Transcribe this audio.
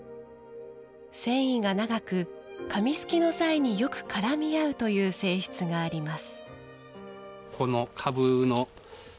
繊維が長く、紙すきの際によく絡み合うという性質があります。